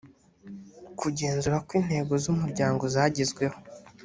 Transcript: kugenzura ko intego z’ umuryango zagezweho